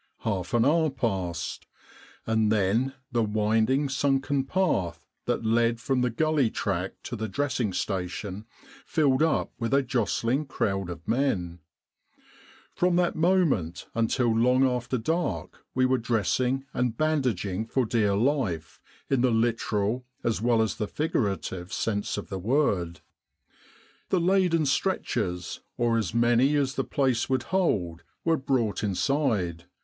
Half an hour passed. And then the winding sunken path that led from the gully track to the dressing station filled up with a jostling crowd of men. " From that moment until long after dark we were dressing and bandaging for dear life, in the literal as 66 "The Long, Long Way to Achi Baba" well as the figurative sense of the word. The laden stretchers, or as many as the place would hold, were brought inside.